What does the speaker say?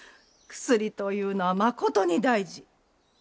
薬というのはまことに大事。